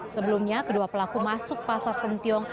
sebelumnya kedua pelaku masuk pasar sentiong